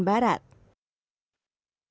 ketika di pulau kalimantan barat